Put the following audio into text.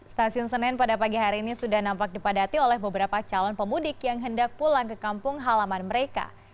stasiun senen pada pagi hari ini sudah nampak dipadati oleh beberapa calon pemudik yang hendak pulang ke kampung halaman mereka